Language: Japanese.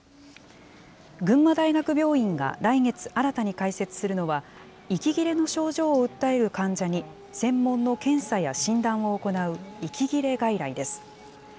群馬大学病院が来月、新たに開設するのは、息切れの症状を訴える患者に専門の検査や診断を行う、息切れ外来です。